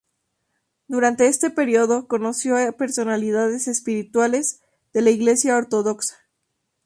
Durante este período, conoció a personalidades espirituales de la Iglesia Ortodoxa.